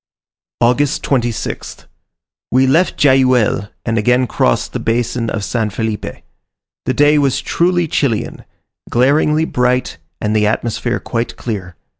August 26th. We left Jajuel and again crossed the basin of San Felipe. The day was truly Chilian: glaringly bright, and the atmosphere quite clear.